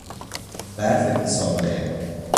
برف بیسابقه